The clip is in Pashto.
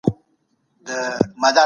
پروفيسر ويلي چي دا يوه پروسه ده.